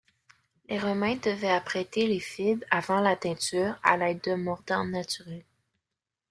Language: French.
Les Romains devaient apprêter les fibres avant la teinture à l'aide d'un mordant naturel.